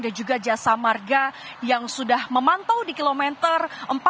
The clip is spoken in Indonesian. dan juga jasa marga yang sudah memantau di kilometer empat puluh tujuh